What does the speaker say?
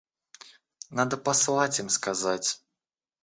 Надо послать им сказать.